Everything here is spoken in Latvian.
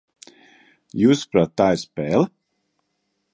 Jūsuprāt, tā ir spēle?